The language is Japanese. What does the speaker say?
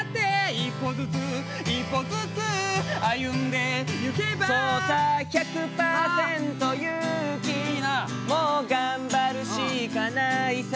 「１歩ずつ１歩ずつ歩んでいけば」「そうさ１００％勇気」「もうがんばるしかないさ」